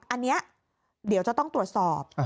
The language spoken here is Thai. อันนี้เดี๋ยวจะต้องตรวจสอบ